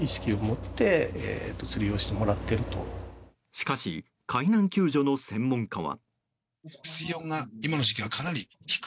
しかし海難救助の専門家は。